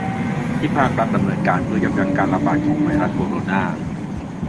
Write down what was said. ที่ภาครัฐดำเนินการเพื่อยับยั่งการระบาดของไวรัสโคโรนา